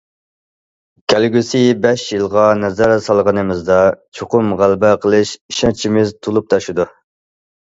كەلگۈسى بەش يىلغا نەزەر سالغىنىمىزدا، چوقۇم غەلىبە قىلىش ئىشەنچىمىز تولۇپ تاشىدۇ.